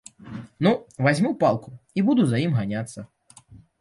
Ну, вазьму палку і буду за ім ганяцца.